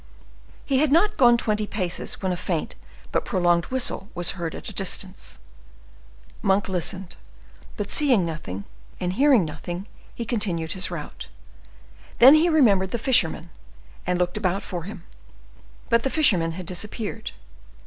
He had not gone twenty paces, when a faint but prolonged whistle was heard at a distance. Monk listened, but seeing nothing and hearing nothing, he continued his route. Then he remembered the fisherman, and looked about for him; but the fisherman had disappeared.